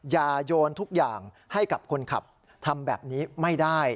โยนทุกอย่างให้กับคนขับทำแบบนี้ไม่ได้